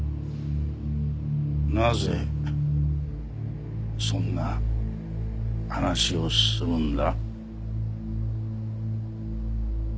なぜそんな話をするんだ？